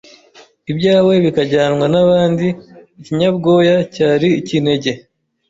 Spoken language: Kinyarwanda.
ibyawe bikajyanwa n'abandi Ikinyabwoya cyari ikinege